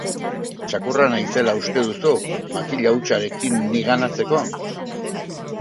Txakurra naizela uste duzu, makila hutsarekin niganatzeko?